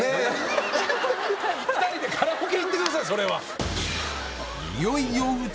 ２人でカラオケ行ってください